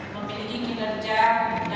memiliki kinerja yang sangat berharga